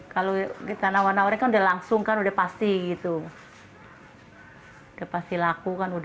kalau kita nawar nawarnya sudah langsung sudah pasti laku